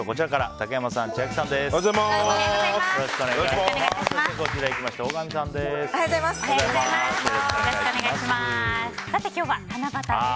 竹山さん、千秋さんです。